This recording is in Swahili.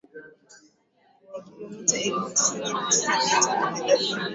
na kilometa elfu tisini na tisa mia tano thelathini